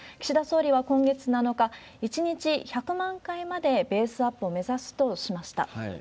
岸田総理は今月７日、１日１００万回までペースアップを目指すとしました。